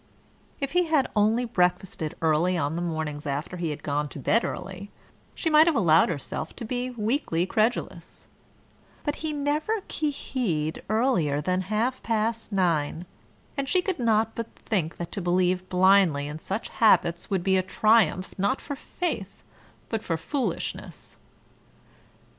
If he had only breakfasted early on the mornings after he had gone to bed early, she might have allowed herself to be weakly credulous, but he never qui hied earlier than half past nine, and she could not but think that to believe blindly in such habits would be a triumph not for faith but for foolishness.